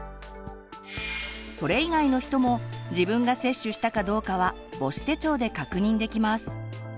それ以外の人も自分が接種したかどうかは母子手帳で確認できます。